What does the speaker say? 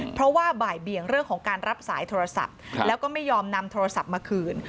เพราะว่าบ่ายเบี่ยงเรื่องของการรับสายโทรศัพท์แล้วก็ไม่ยอมนำโทรศัพท์มาคืน